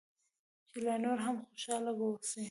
چې لا نور هم خوشاله واوسې.